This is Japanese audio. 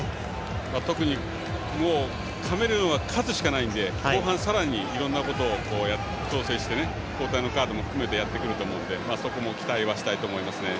特にカメルーンは勝つしかないので後半さらにいろんなことを挑戦して交代のカードも含めてやってくると思うのでそこも期待はしたいと思いますね。